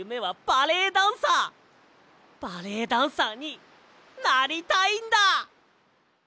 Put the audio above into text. バレエダンサーになりたいんだ！